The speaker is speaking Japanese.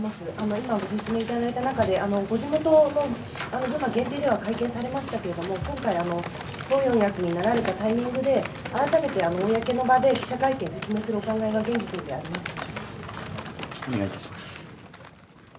今ご説明いただいた中で、ご地元では会見をされましたけれども、今回、党四役になられたタイミングで、改めて公の場で記者会見、開かれるお考えは現時点でありますか。